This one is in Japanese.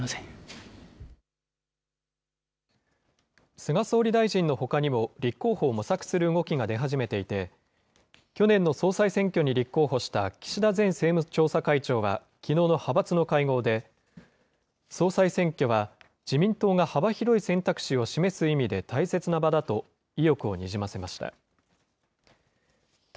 菅総理大臣のほかにも立候補を模索する動きが出始めていて、去年の総裁選挙に立候補した岸田前政務調査会長はきのうの派閥の会合で、総裁選挙は自民党が幅広い選択肢を示す意味で大切な場だと意欲をにじませました。